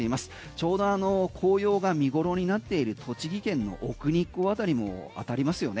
ちょうど紅葉が見頃になっている栃木県の奥日光辺りも当たりますよね。